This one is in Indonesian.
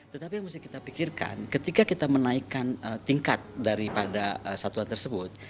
tetapi yang mesti kita pikirkan ketika kita menaikkan tingkat daripada satuan tersebut